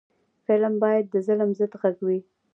فلم باید د ظلم ضد غږ وي